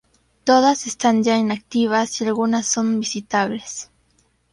Todas están ya inactivas y algunas son visitables.